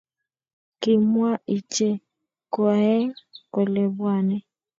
Kimwa iche koaeng kole bwane